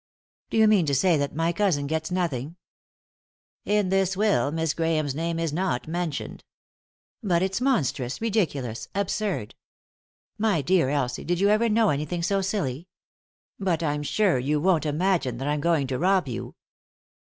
" Do you mean to say that my cousin gets nothing ?" "In this will Miss Grahame's name is not men tioned," "But it's monstrous, ridiculous, absurd. My dear Elsie, did you ever know anything so silly ? But I'm sure you won't imagine that I'm going to rob you."